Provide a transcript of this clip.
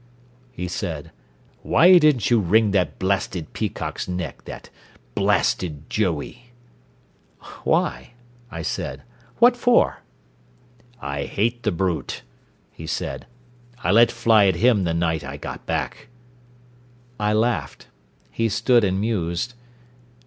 he said. "Why didn't you wring that b peacock's neck that b Joey?" "Why?" I said. "What for?" "I hate the brute," he said. "I let fly at him the night I got back " I laughed. He stood and mused.